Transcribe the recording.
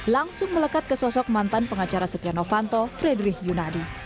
langsung melekat ke sosok mantan pengacara setia novanto fredrik yunadi